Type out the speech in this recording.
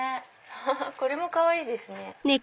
これもかわいいですね。